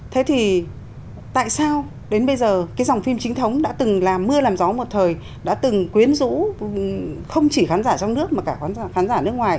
thế thì tại sao đến bây giờ cái dòng phim chính thống đã từng là mưa làm gió một thời đã từng quyến rũ không chỉ khán giả trong nước mà cả khán giả nước ngoài